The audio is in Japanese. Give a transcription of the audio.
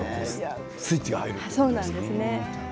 スイッチが入るというんですかね。